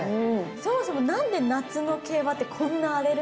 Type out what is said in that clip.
そもそも何で夏の競馬ってこんな荒れるんですか？